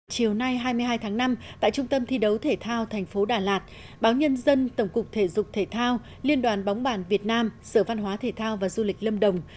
chiều nay hai mươi hai tháng năm tại trung tâm thi đấu thể thao tp đà lạt báo nhân dân tổng cục thể dục thể thao liên đoàn bóng bàn việt nam sở văn hóa thể thao và du lịch lâm đồng